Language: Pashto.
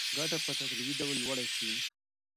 ګټه به په تدریجي ډول لوړه شي.